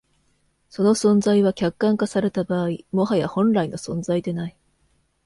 その存在は、客観化された場合、もはや本来の存在でない。